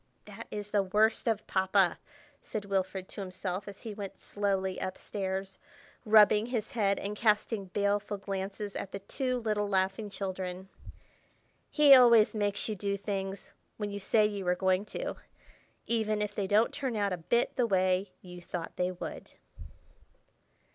"That is the worst of Papa," said Wilfrid to himself, as he went slowly up stairs, rubbing his head, and casting baleful glances at the two little laughing children. "He always makes you do things—when you say you are going to—even if they don't turn out a bit the way you thought they would."